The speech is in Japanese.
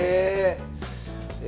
え！